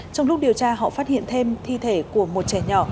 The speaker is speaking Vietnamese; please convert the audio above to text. trong lúc điều tra họ phát hiện thêm thi thể của một trẻ nhỏ